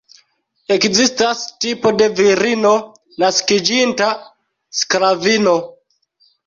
Ekzistas tipo de virino naskiĝinta sklavino.